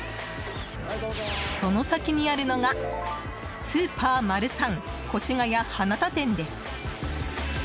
その先にあるのがスーパーマルサン越谷花田店です。